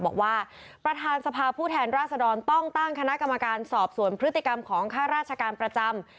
บอกว่าประธานสภาผู้แทนราษดรต้องตั้งคณะกรรมการสอบสวนพฤติกรรมของข้าราชการประจำ